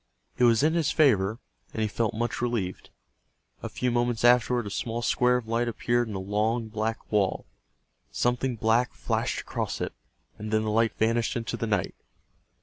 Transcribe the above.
It was in his favor, and he felt much relieved. A few moments afterward a small square of light appeared in the long black wall. Something black flashed across it, and then the light vanished into the night.